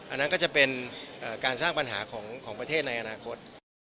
อันนั้นก็จะเป็นการสร้างปัญหาของประเทศในอนาคต